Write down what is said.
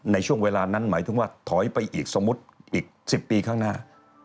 ในช่วงเวลานั้นหมายถึงว่าถอยไปอีกสมมุติอีก๑๐ปีข้างหน้า